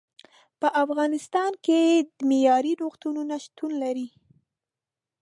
په افغانستان کې معیارې روغتونونه شتون لري.